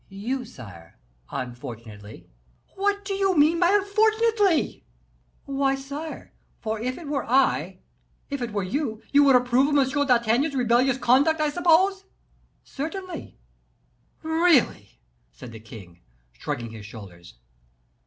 "You, sire, unfortunately." "What do you mean by 'unfortunately'?" "Yes, sire; for if it were I " "If it were you, you would approve of M. d'Artagnan's rebellious conduct, I suppose?" "Certainly." "Really!" said the king, shrugging his shoulders.